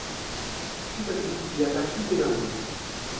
Tout à coup il aperçut Thénardier.